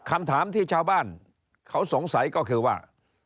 คำถามที่ชาวบ้านเขาสงสัยก็คือว่า